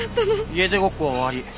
家出ごっこは終わり。